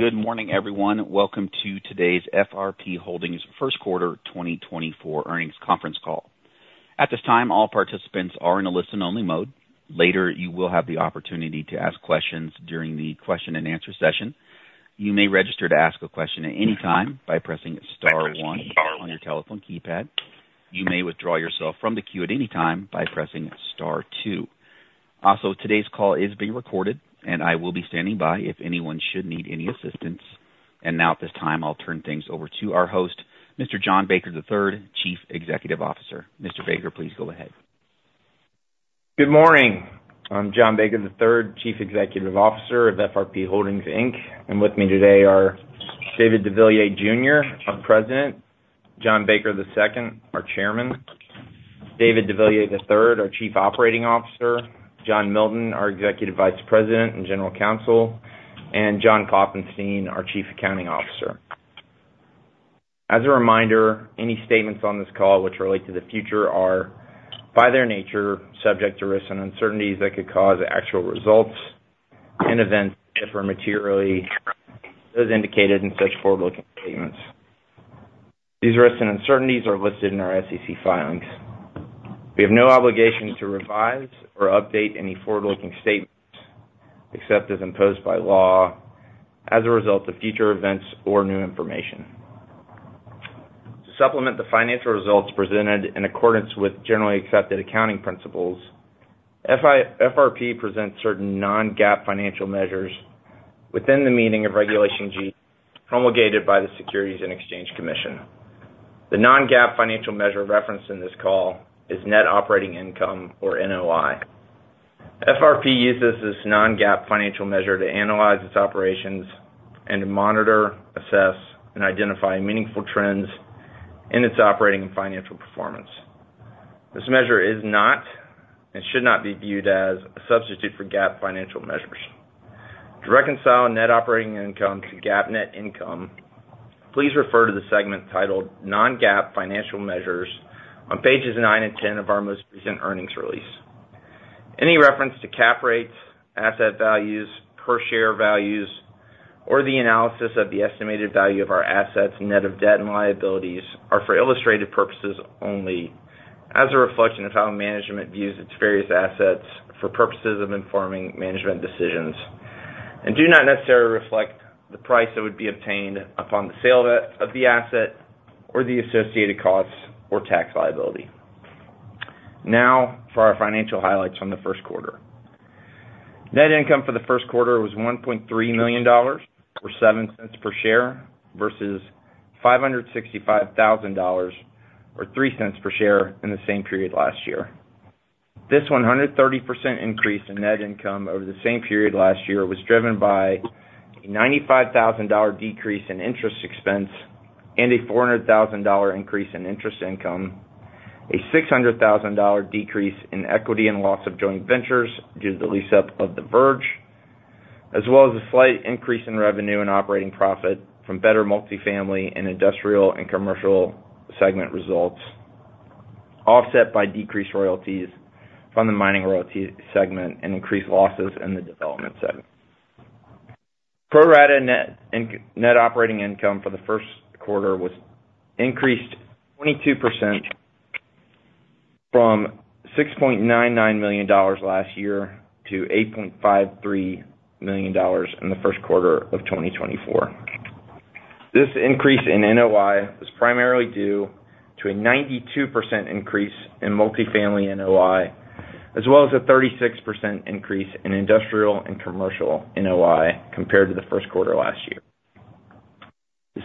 Good morning, everyone. Welcome to today's FRP Holdings first quarter 2024 earnings conference call. At this time, all participants are in a listen-only mode. Later, you will have the opportunity to ask questions during the question-and-answer session. You may register to ask a question at any time by pressing star one on your telephone keypad. You may withdraw yourself from the queue at any time by pressing star two. Also, today's call is being recorded, and I will be standing by if anyone should need any assistance. And now, at this time, I'll turn things over to our host, Mr. John Baker, III, Chief Executive Officer. Mr. Baker, please go ahead. Good morning. I'm John Baker, III, Chief Executive Officer of FRP Holdings, Inc. With me today are David deVilliers, Jr., our President, John Baker II, our Chairman, David deVilliers, III, our Chief Operating Officer, John Milton, our Executive Vice President and General Counsel, and John Klopfenstein, our Chief Accounting Officer. As a reminder, any statements on this call which relate to the future are, by their nature, subject to risks and uncertainties that could cause actual results and events to differ materially as indicated in such forward-looking statements. These risks and uncertainties are listed in our SEC filings. We have no obligation to revise or update any forward-looking statements, except as imposed by law, as a result of future events or new information. To supplement the financial results presented in accordance with generally accepted accounting principles, FRP presents certain non-GAAP financial measures within the meaning of Regulation G, promulgated by the Securities and Exchange Commission. The non-GAAP financial measure referenced in this call is net operating income, or NOI. FRP uses this non-GAAP financial measure to analyze its operations and to monitor, assess, and identify meaningful trends in its operating and financial performance. This measure is not, and should not be viewed as, a substitute for GAAP financial measures. To reconcile net operating income to GAAP net income, please refer to the segment titled Non-GAAP Financial Measures on pages nine and 10 of our most recent earnings release. Any reference to cap rates, asset values, per share values, or the analysis of the estimated value of our assets, net of debt and liabilities, are for illustrative purposes only as a reflection of how management views its various assets for purposes of informing management decisions, and do not necessarily reflect the price that would be obtained upon the sale of the asset or the associated costs or tax liability. Now for our financial highlights from the first quarter. Net income for the first quarter was $1.3 million, or $0.07 per share, versus $565,000, or $0.03 per share, in the same period last year. This 130% increase in net income over the same period last year was driven by a $95,000 decrease in interest expense and a $400,000 increase in interest income, a $600,000 decrease in equity in loss of joint ventures due to the lease-up of the Verge, as well as a slight increase in revenue and operating profit from better multifamily and industrial and commercial segment results, offset by decreased royalties from the Mining Royalty segment and increased losses in the Development segment. Pro rata net operating income for the first quarter was increased 22% from $6.99 million last year to $8.53 million in the first quarter of 2024. This increase in NOI was primarily due to a 92% increase in multifamily NOI, as well as a 36% increase in industrial and commercial NOI compared to the first quarter last year.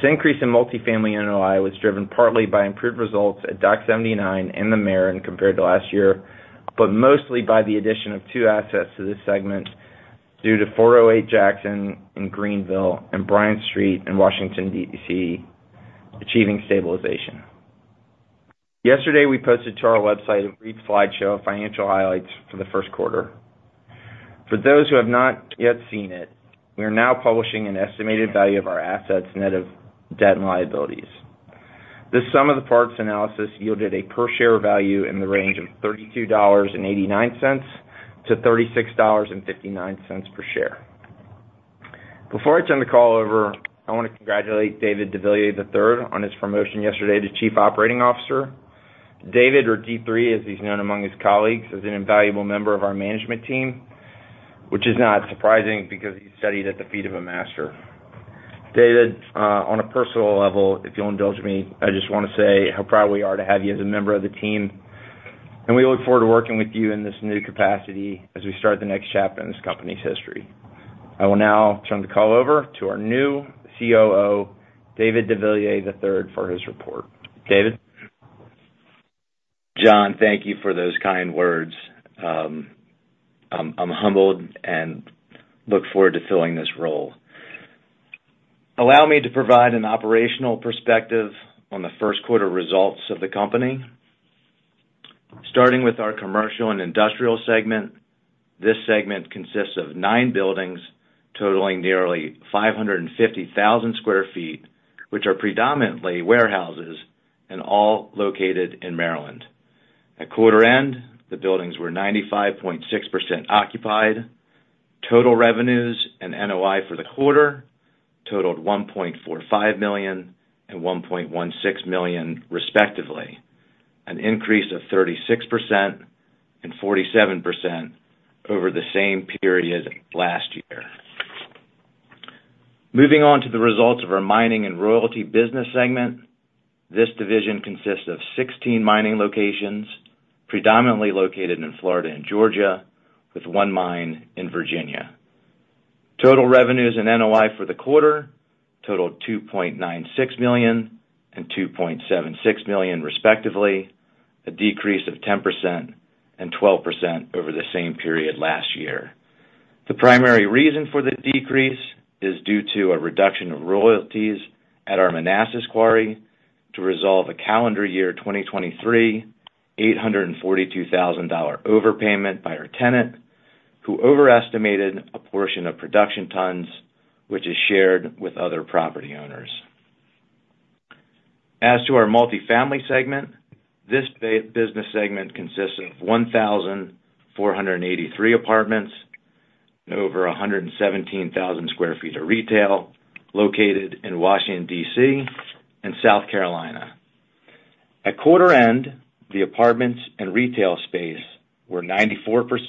This increase in multifamily NOI was driven partly by improved results at Dock 79 and the Maren compared to last year, but mostly by the addition of two assets to this segment due to 408 Jackson in Greenville and Bryant Street in Washington, D.C., achieving stabilization. Yesterday, we posted to our website a brief slideshow of financial highlights for the first quarter. For those who have not yet seen it, we are now publishing an estimated value of our assets net of debt and liabilities. This sum of the parts analysis yielded a per share value in the range of $32.89-$36.59 per share. Before I turn the call over, I want to congratulate David deVilliers, III, on his promotion yesterday to Chief Operating Officer. David, or D III, as he's known among his colleagues, is an invaluable member of our management team, which is not surprising because he studied at the feet of a master. David, on a personal level, if you'll indulge me, I just want to say how proud we are to have you as a member of the team, and we look forward to working with you in this new capacity as we start the next chapter in this company's history. I will now turn the call over to our new COO, David deVilliers, III, for his report. David? John, thank you for those kind words. I'm humbled and look forward to filling this role. Allow me to provide an operational perspective on the first quarter results of the company. Starting with our commercial and industrial segment, this segment consists of nine buildings totaling nearly 550,000 sq ft, which are predominantly warehouses and all located in Maryland. ...At quarter end, the buildings were 95.6% occupied. Total revenues and NOI for the quarter totaled $1.45 million and $1.16 million, respectively, an increase of 36% and 47% over the same period last year. Moving on to the results of our mining and royalty business segment. This division consists of 16 mining locations, predominantly located in Florida and Georgia, with one mine in Virginia. Total revenues and NOI for the quarter totaled $2.96 million and $2.76 million, respectively, a decrease of 10% and 12% over the same period last year. The primary reason for the decrease is due to a reduction of royalties at our Manassas quarry to resolve a calendar year 2023, $842,000 overpayment by our tenant, who overestimated a portion of production tons, which is shared with other property owners. As to our multifamily segment, this business segment consists of 1,483 apartments and over 117,000 sq ft of retail located in Washington, D.C., and South Carolina. At quarter end, the apartments and retail space were 94%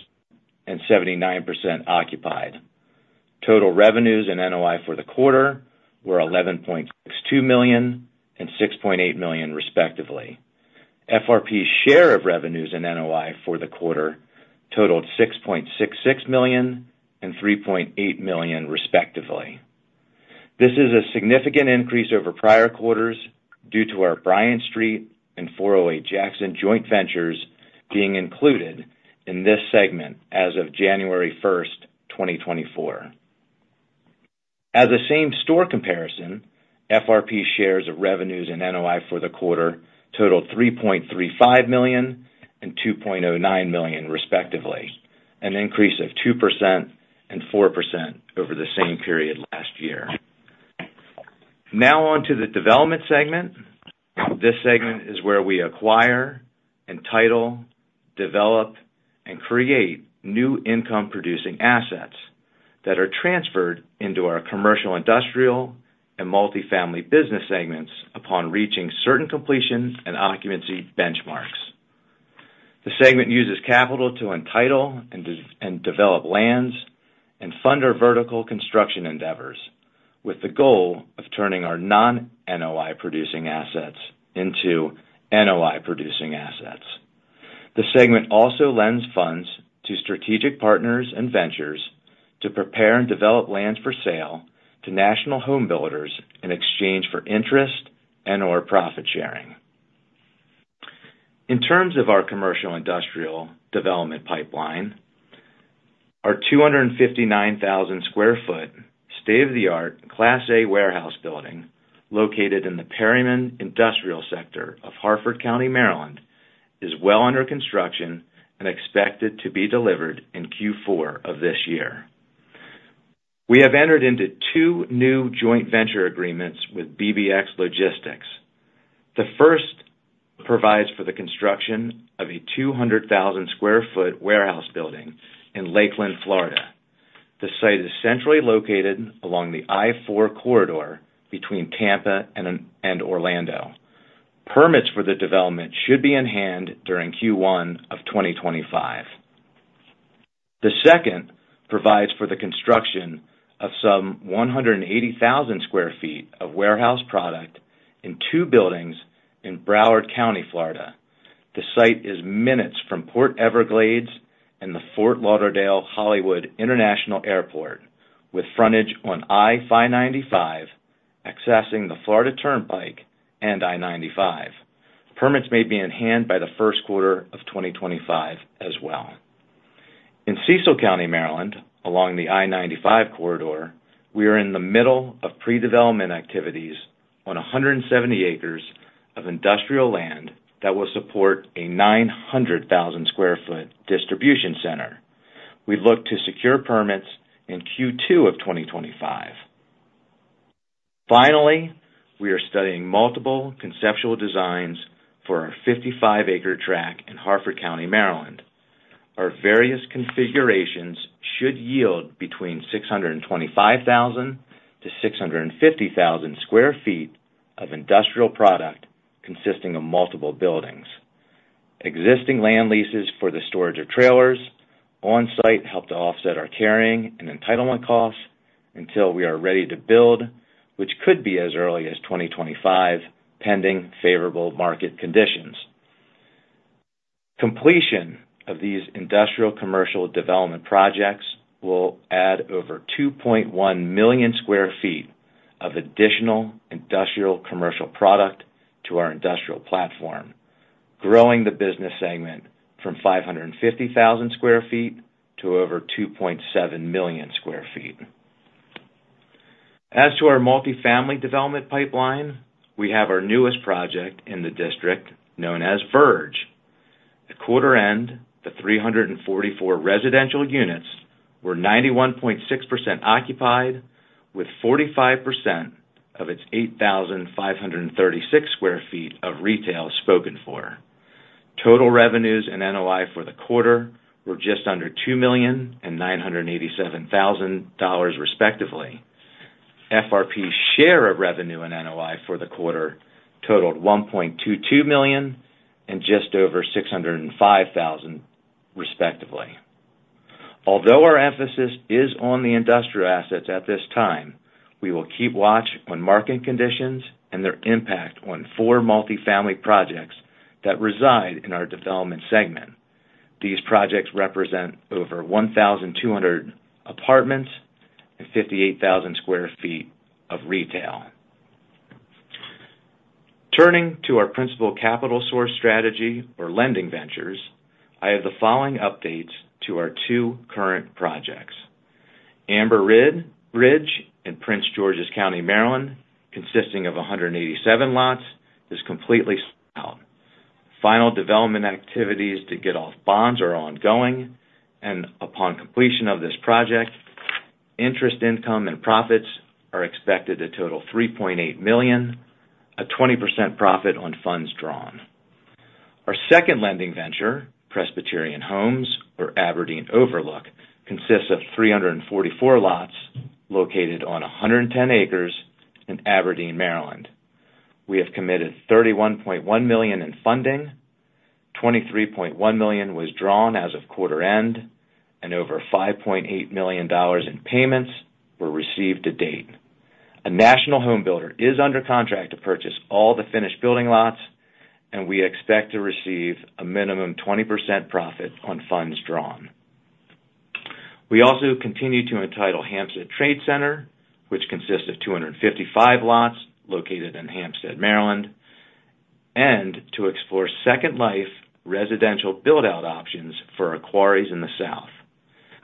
and 79% occupied. Total revenues and NOI for the quarter were $11.62 million and $6.8 million, respectively. FRP's share of revenues in NOI for the quarter totaled $6.66 million and $3.8 million, respectively. This is a significant increase over prior quarters due to our Bryant Street and .408 Jackson joint ventures being included in this segment as of January 1st, 2024. As a same-store comparison, FRP's shares of revenues and NOI for the quarter totaled $3.35 million and $2.09 million, respectively, an increase of 2% and 4% over the same period last year. Now on to the Development segment. This segment is where we acquire, entitle, develop, and create new income-producing assets that are transferred into our commercial, industrial, and multifamily business segments upon reaching certain completion and occupancy benchmarks. The segment uses capital to entitle and develop lands and fund our vertical construction endeavors, with the goal of turning our non-NOI producing assets into NOI producing assets. The segment also lends funds to strategic partners and ventures to prepare and develop lands for sale to national home builders in exchange for interest and/or profit sharing. In terms of our commercial industrial development pipeline, our 259,000 sq ft, state-of-the-art, Class A warehouse building, located in the Perryman Industrial sector of Harford County, Maryland, is well under construction and expected to be delivered in Q4 of this year. We have entered into two new joint venture agreements with BBX Logistics. The first provides for the construction of a 200,000 sq ft warehouse building in Lakeland, Florida. The site is centrally located along the I-4 corridor between Tampa and Orlando. Permits for the development should be in hand during Q1 of 2025. The second provides for the construction of some 180,000 sq ft of warehouse product in two buildings in Broward County, Florida. The site is minutes from Port Everglades and the Fort Lauderdale-Hollywood International Airport, with frontage on I-595, accessing the Florida Turnpike and I-95. Permits may be in hand by the first quarter of 2025 as well. In Cecil County, Maryland, along the I-95 corridor, we are in the middle of pre-development activities on 170 ac of industrial land that will support a 900,000 sq ft distribution center. We look to secure permits in Q2 of 2025. Finally, we are studying multiple conceptual designs for our 55 ac tract in Harford County, Maryland. Our various configurations should yield between 625,000 sq ft-650,000 sq ft of industrial product, consisting of multiple buildings. Existing land leases for the storage of trailers on-site help to offset our carrying and entitlement costs until we are ready to build, which could be as early as 2025, pending favorable market conditions. Completion of these industrial commercial development projects will add over 2.1 million sq ft of additional industrial commercial product to our industrial platform, growing the business segment from 550,000 sq ft to over 2.7 million sq ft. As to our multifamily development pipeline, we have our newest project in the District known as Verge. At quarter end, the 344 residential units were 91.6% occupied, with 45% of its 8,536 sq ft of retail spoken for. Total revenues and NOI for the quarter were just under $2,987,000, respectively. FRP's share of revenue and NOI for the quarter totaled $1.22 million and just over $605,000, respectively. Although our emphasis is on the industrial assets at this time, we will keep watch on market conditions and their impact on four multifamily projects that reside in our Development segment. These projects represent over 1,200 apartments and 58,000 sq ft of retail. Turning to our principal capital source strategy or lending ventures, I have the following updates to our two current projects. Amber Ridge in Prince George's County, Maryland, consisting of 187 lots, is completely sold out. Final development activities to get off bonds are ongoing, and upon completion of this project, interest income and profits are expected to total $3.8 million, a 20% profit on funds drawn. Our second lending venture, Presbyterian Home, or Aberdeen Overlook, consists of 344 lots located on 110 acres in Aberdeen, Maryland. We have committed $31.1 million in funding, $23.1 million was drawn as of quarter end, and over $5.8 million in payments were received to date. A national home builder is under contract to purchase all the finished building lots, and we expect to receive a minimum 20% profit on funds drawn. We also continue to entitle Hampstead Trade Center, which consists of 255 lots located in Hampstead, Maryland, and to explore second life residential build-out options for our quarries in the south.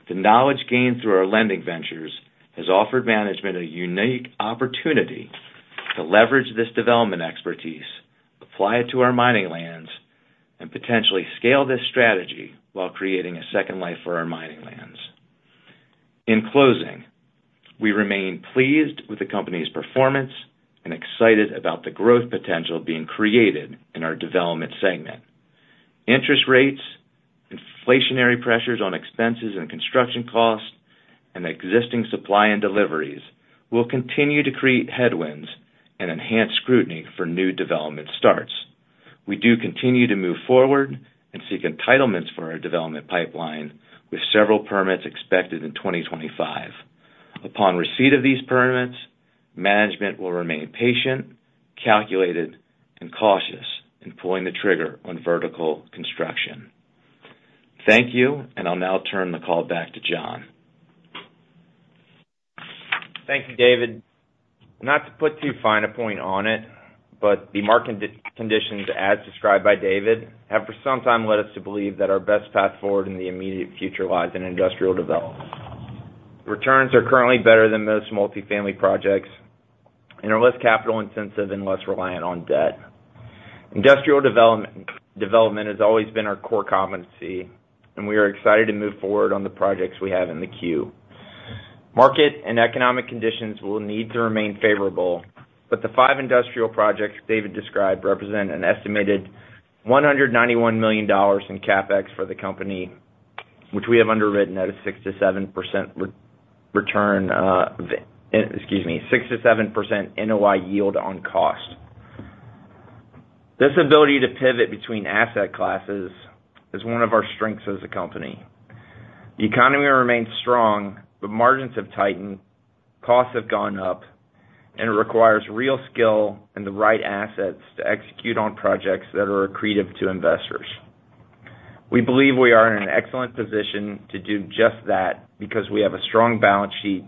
The knowledge gained through our lending ventures has offered management a unique opportunity to leverage this development expertise, apply it to our mining lands, and potentially scale this strategy while creating a second life for our mining lands. In closing, we remain pleased with the company's performance and excited about the growth potential being created in our Development segment. Interest rates, inflationary pressures on expenses and construction costs, and existing supply and deliveries will continue to create headwinds and enhance scrutiny for new development starts. We do continue to move forward and seek entitlements for our development pipeline, with several permits expected in 2025. Upon receipt of these permits, management will remain patient, calculated, and cautious in pulling the trigger on vertical construction. Thank you, and I'll now turn the call back to John. Thank you, David. Not to put too fine a point on it, but the market conditions, as described by David, have for some time led us to believe that our best path forward in the immediate future lies in industrial development. Returns are currently better than most multifamily projects and are less capital intensive and less reliant on debt. Industrial development, development has always been our core competency, and we are excited to move forward on the projects we have in the queue. Market and economic conditions will need to remain favorable, but the five industrial projects David described represent an estimated $191 million in CapEx for the company, which we have underwritten at a 6%-7% return, excuse me, 6%-7% NOI yield on cost. This ability to pivot between asset classes is one of our strengths as a company. The economy remains strong, but margins have tightened, costs have gone up, and it requires real skill and the right assets to execute on projects that are accretive to investors. We believe we are in an excellent position to do just that, because we have a strong balance sheet,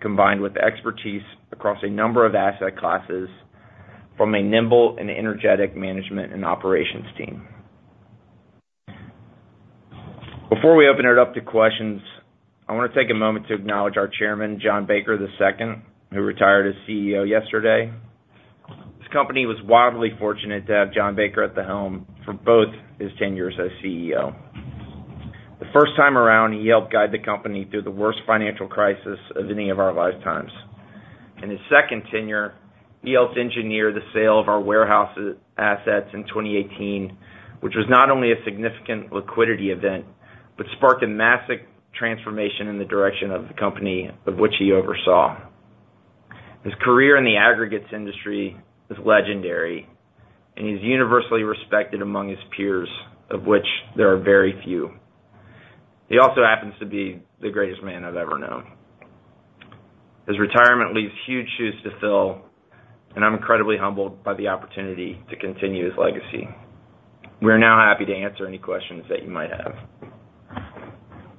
combined with expertise across a number of asset classes from a nimble and energetic management and operations team. Before we open it up to questions, I want to take a moment to acknowledge our chairman, John Baker II, who retired as CEO yesterday. This company was wildly fortunate to have John Baker at the helm for both his tenures as CEO. The first time around, he helped guide the company through the worst financial crisis of any of our lifetimes. In his second tenure, he helped engineer the sale of our warehouse assets in 2018, which was not only a significant liquidity event, but sparked a massive transformation in the direction of the company, of which he oversaw. His career in the aggregates industry is legendary, and he's universally respected among his peers, of which there are very few. He also happens to be the greatest man I've ever known. His retirement leaves huge shoes to fill, and I'm incredibly humbled by the opportunity to continue his legacy. We are now happy to answer any questions that you might have.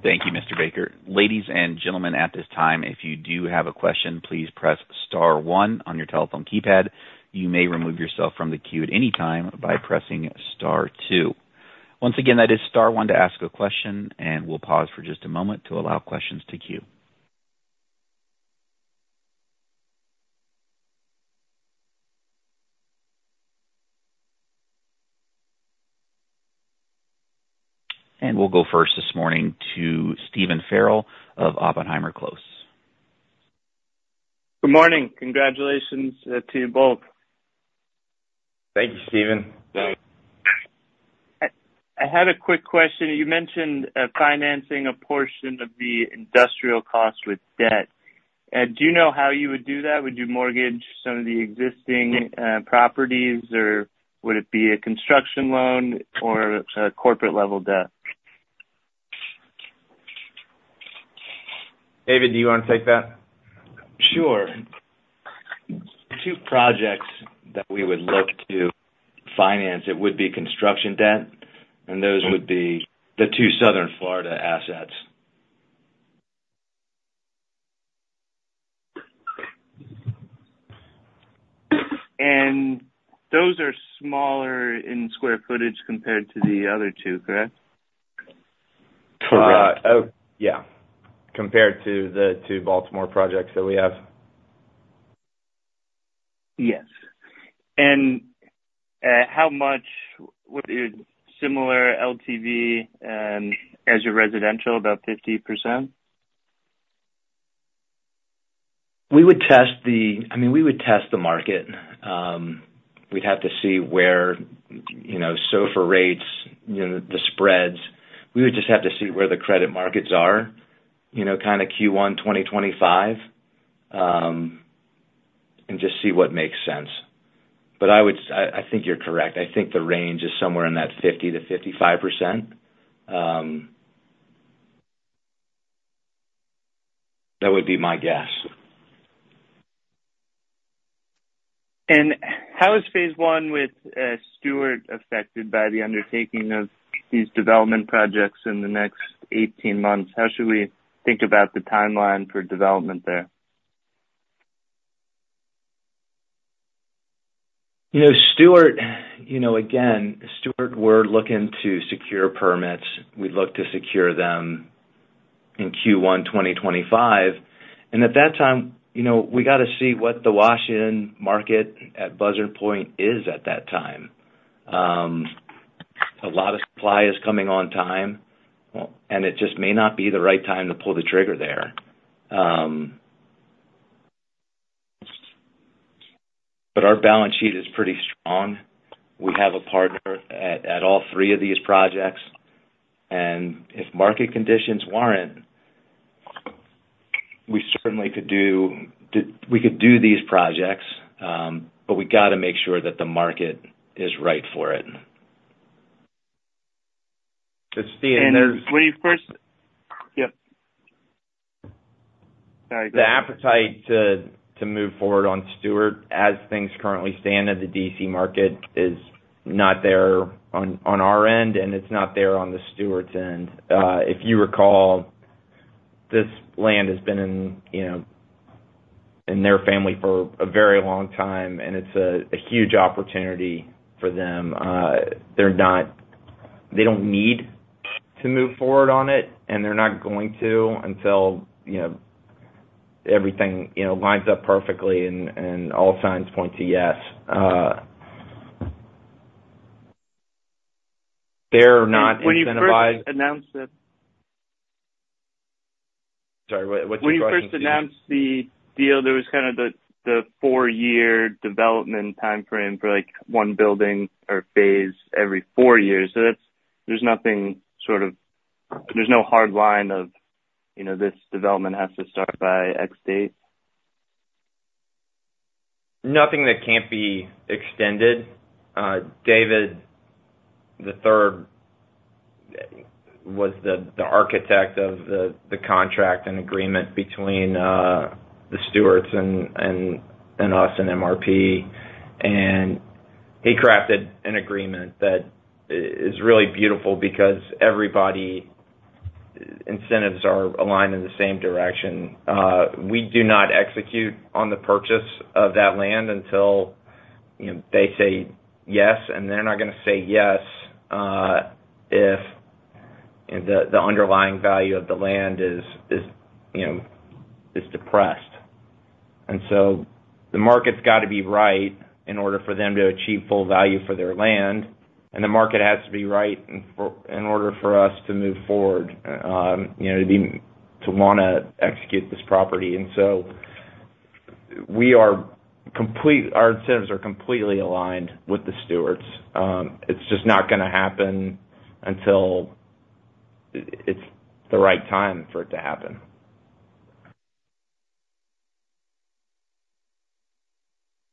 Thank you, Mr. Baker. Ladies and gentlemen, at this time, if you do have a question, please press star one on your telephone keypad. You may remove yourself from the queue at any time by pressing star two. Once again, that is star one to ask a question, and we'll pause for just a moment to allow questions to queue.... We'll go first this morning to Stephen Farrell of Oppenheimer. Good morning. Congratulations to you both. Thank you, Stephen. I had a quick question. You mentioned financing a portion of the industrial cost with debt. Do you know how you would do that? Would you mortgage some of the existing properties, or would it be a construction loan or a corporate-level debt? David, do you want to take that? Sure. Two projects that we would look to finance, it would be construction debt, and those would be the two southern Florida assets. Those are smaller in square footage compared to the other two, correct? Correct. Oh, yeah, compared to the two Baltimore projects that we have. Yes. And, how much would a similar LTV, as your residential, about 50%? I mean, we would test the market. We'd have to see where, you know, SOFR rates, you know, the spreads. We would just have to see where the credit markets are, you know, kind of Q1 2025, and just see what makes sense. But I would, I think you're correct. I think the range is somewhere in that 50%-55%. That would be my guess. How is Phase 1 with Steuart affected by the undertaking of these development projects in the next 18 months? How should we think about the timeline for development there? You know, Steuart, you know, again, Steuart, we're looking to secure permits. We'd look to secure them in Q1 2025, and at that time, you know, we got to see what the Washington market at Buzzard Point is at that time. A lot of supply is coming online, well, and it just may not be the right time to pull the trigger there. But our balance sheet is pretty strong. We have a partner at all three of these projects, and if market conditions warrant, we certainly could do these projects, but we got to make sure that the market is right for it. But, Steve, and there's- When you first... Yep. All right. The appetite to move forward on Steuart, as things currently stand in the D.C. market, is not there on our end, and it's not there on the Steuart's end. If you recall, this land has been, you know, in their family for a very long time, and it's a huge opportunity for them. They're not—they don't need to move forward on it, and they're not going to until, you know, everything, you know, lines up perfectly and all signs point to yes. They're not incentivized- When you first announced it. Sorry, what, what's the question? When you first announced the deal, there was kind of the four-year development timeframe for, like, one building or phase every four years. So that's, there's nothing sort of, there's no hard line of, you know, this development has to start by X date? Nothing that can't be extended. David III was the architect of the contract and agreement between the Steuarts and us and MRP. And he crafted an agreement that is really beautiful because everybody's incentives are aligned in the same direction. We do not execute on the purchase of that land until, you know, they say yes, and they're not gonna say yes if the underlying value of the land is, you know, depressed. And so the market's got to be right in order for them to achieve full value for their land, and the market has to be right in order for us to move forward, you know, to wanna execute this property. And so our incentives are completely aligned with the Steuarts. It's just not gonna happen until it's the right time for it to happen.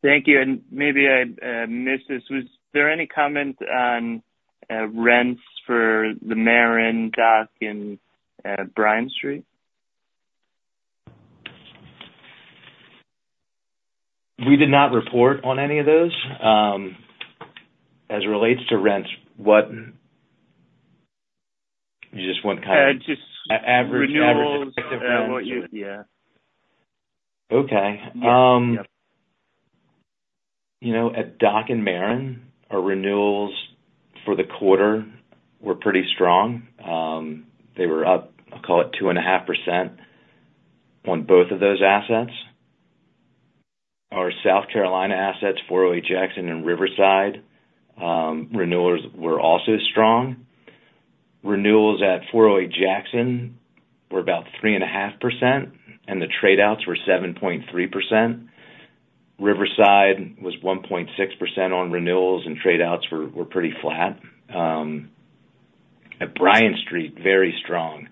Thank you, and maybe I missed this. Was there any comment on rents for the Maren, Dock, and Bryant Street? We did not report on any of those. As it relates to rents, what... You just want kind of- Uh, just- average Renewals, what you... Yeah. Okay. Yep, yep. You know, at Dock and Maren, our renewals for the quarter were pretty strong. They were up, I'll call it 2.5% on both of those assets. Our South Carolina assets, .408 Jackson and Riverside, renewals were also strong. Renewals at .408 Jackson were about 3.5%, and the trade outs were 7.3%. Riverside was 1.6% on renewals, and trade outs were, were pretty flat. At Bryant Street, very strong.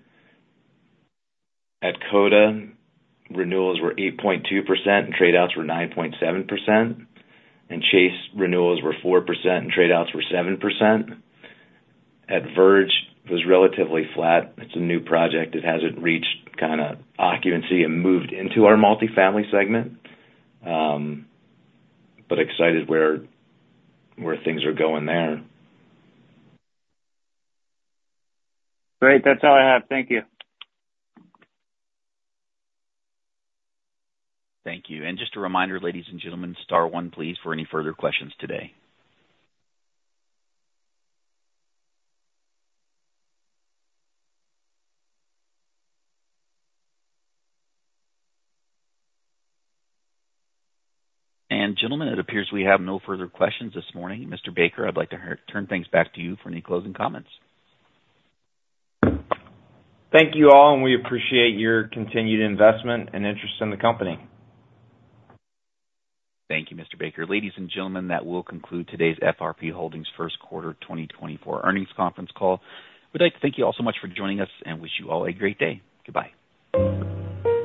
At Coda, renewals were 8.2%, and trade outs were 9.7%, and The Chase renewals were 4%, and trade outs were 7%. At Verge, it was relatively flat. It's a new project. It hasn't reached kind of occupancy and moved into our multifamily segment, but excited where, where things are going there. Great. That's all I have. Thank you. Thank you. Just a reminder, ladies and gentlemen, star one please, for any further questions today. Gentlemen, it appears we have no further questions this morning. Mr. Baker, I'd like to turn things back to you for any closing comments. Thank you, all, and we appreciate your continued investment and interest in the company. Thank you, Mr. Baker. Ladies and gentlemen, that will conclude today's FRP Holdings first quarter 2024 earnings conference call. We'd like to thank you all so much for joining us and wish you all a great day. Goodbye.